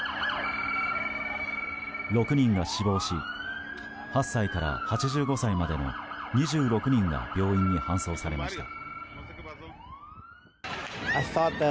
６人が死亡し８歳から８５歳までの２６人が病院に搬送されました。